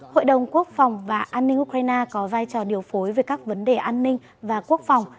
hội đồng quốc phòng và an ninh ukraine có vai trò điều phối về các vấn đề an ninh và quốc phòng